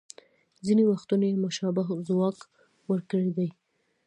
ځینې وختونه یې مشابه ځواب ورکړی دی